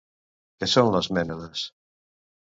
Què són les mènades?